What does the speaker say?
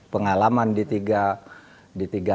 pengalaman di tiga